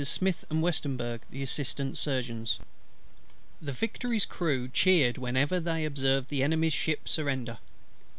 SMITH and WESTEMBURG the Assistant Surgeons. The Victory's crew cheered whenever they observed an Enemy's ship surrender.